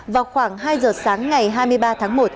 vào khoảng hai giờ sáng ngày hai mươi ba tháng một